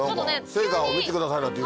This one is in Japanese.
「成果を見てください」なんて